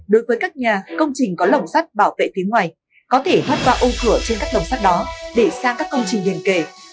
đối với các nhà công trình có lồng sắt bảo vệ phía ngoài có thể thoát qua ô cửa trên các lồng sắt đó để sang các công trình liền kề